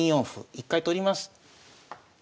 一回取ります。